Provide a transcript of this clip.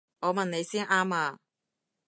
我問你先啱啊！